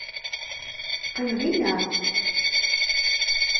Qqim dinna!